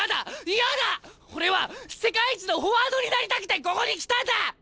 俺は世界一のフォワードになりたくてここに来たんだ！